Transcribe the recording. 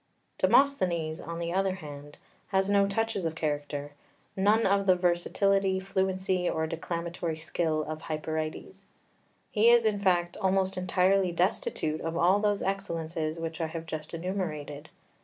3 Demosthenes, on the other hand, has no touches of character, none of the versatility, fluency, or declamatory skill of Hyperides. He is, in fact, almost entirely destitute of all those excellences which I have just enumerated.